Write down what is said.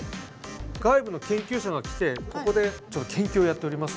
外部の研究者が来てここで研究をやっておりますので。